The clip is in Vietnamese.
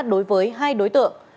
đối với hai đối tượng